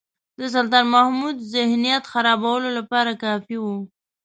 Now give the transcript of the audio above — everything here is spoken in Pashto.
د سلطان محمود ذهنیت خرابولو لپاره کافي وو.